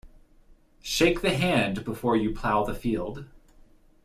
Shake the hand before you plough the field.